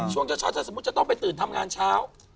ช่วงเช้าถ้าสมมุติจะต้องไปตื่นทำงานเช้า